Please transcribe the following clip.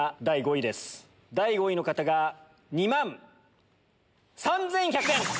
第５位の方が２万３１００円。